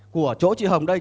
của chỗ chị hồng đây